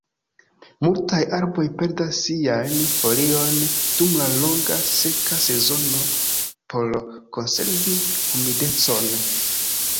Multaj arboj perdas siajn foliojn dum la longa seka sezono por konservi humidecon.